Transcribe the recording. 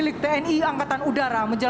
siap paling berat sehingga jangka udara benar